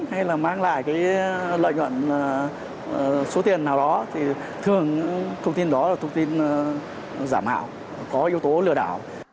hay là mang lại cái lợi nhuận số tiền nào đó thì thường thông tin đó là thông tin giảm hảo có yếu tố lừa đảo